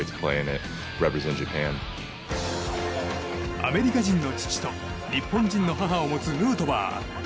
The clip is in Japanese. アメリカ人の父と日本人の母を持つヌートバー。